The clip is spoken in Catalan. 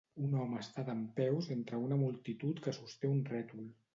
Un home està dempeus entre una multitud que sosté un rètol.